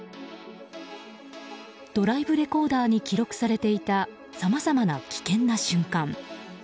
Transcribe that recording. ドライブレコーダーに記録されていたさまざまな危険な瞬間。